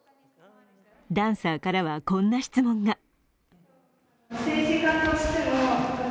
ダンサーからはこんな質問が。